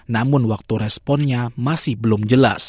namun waktu responnya masih belum jelas